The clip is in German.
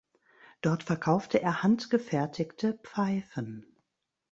Dort verkaufte er handgefertigte Pfeifen.